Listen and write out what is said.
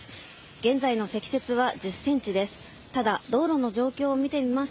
現在の積雪は１０ｃｍです。